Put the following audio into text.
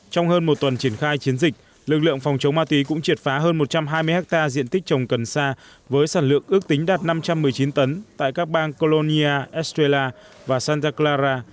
trong hơn một tuần triển khai chiến dịch lực lượng phòng chống ma túy cũng triệt phá hơn một trăm hai mươi hectare diện tích trồng cần sa với sản lượng ước tính đạt năm trăm một mươi chín tấn tại các bang colonia estella và santa clara